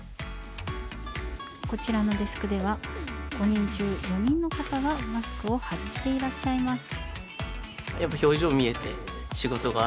こちらのデスクでは５人中４人の方がマスクを外していらっしゃいます。